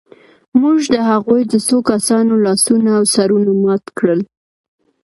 موږ د هغوی د څو کسانو لاسونه او سرونه مات کړل